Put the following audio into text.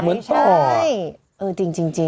หมดท่องไม่ใช่